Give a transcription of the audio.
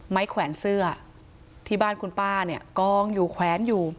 แขวนเสื้อที่บ้านคุณป้าเนี่ยกองอยู่แขวนอยู่